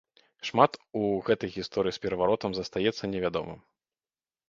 Шмат у гэтай гісторыі з пераваротам застаецца невядомым.